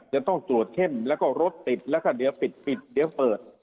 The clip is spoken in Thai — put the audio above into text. จะต้องตรวจเข้มแล้วก็รถติดแล้วก็เดี๋ยวปิดปิดเดี๋ยวเปิด